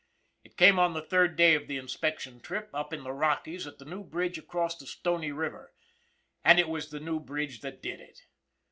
It came on the third day of the inspection trip, up in the Rockies at the new bridge across the Stony River and it was the new bridge that did it.